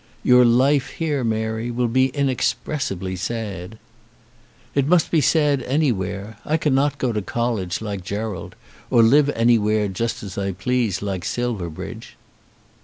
"Your life here, Mary, will be inexpressibly sad." "It must be sad anywhere. I cannot go to college, like Gerald, or live anywhere just as I please, like Silverbridge."